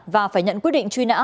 và phải nhận quyết định truy nã